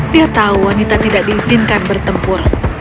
dia tahu wanita tidak diizinkan bertempur